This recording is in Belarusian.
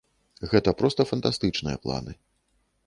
Гэта проста фантастычныя планы.